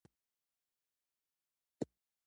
څرنګه پوه شو چې له کوم ډول شخړې سره مخ يو؟